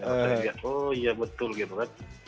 oh iya betul gitu kan